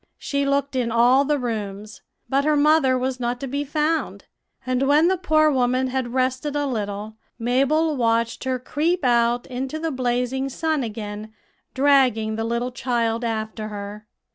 She looked in all the rooms; but her mother was not to be found; and when the poor woman had rested a little, Mabel watched her creep out into the blazing sun again, dragging the little child after her.